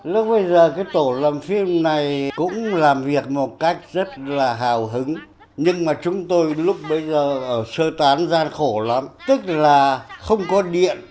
lúc bây giờ cái tổ làm phim này cũng làm việc một cách rất là hào hứng nhưng mà chúng tôi lúc bây giờ sơ tán gian khổ lắm tức là không có điện